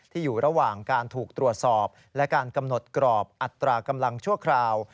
อยู่ระหว่างการถูกตรวจสอบและการกำหนดกรอบอัตรากำลังชั่วคราว